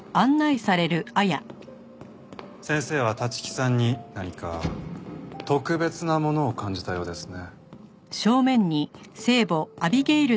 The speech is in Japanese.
先生は立木さんに何か特別なものを感じたようですね。